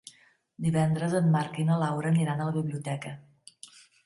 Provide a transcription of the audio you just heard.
Divendres en Marc i na Laura aniran a la biblioteca.